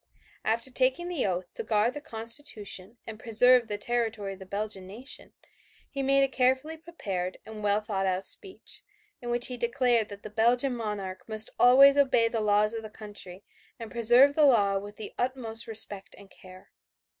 After taking the oath to guard the constitution and preserve the territory of the Belgian nation, he made a carefully prepared and well thought out speech, in which he declared that the Belgian monarch must always obey the laws of the country and preserve the law with the utmost respect and care.